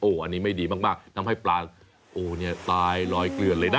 อันนี้ไม่ดีมากทำให้ปลาโอ้เนี่ยตายลอยเกลือนเลยนะ